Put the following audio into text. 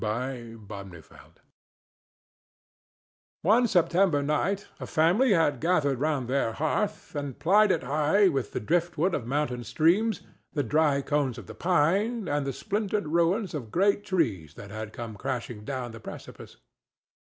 THE AMBITIOUS GUEST One September night a family had gathered round their hearth and piled it high with the driftwood of mountain streams, the dry cones of the pine, and the splintered ruins of great trees that had come crashing down the precipice.